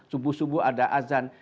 subuh subuh ada azan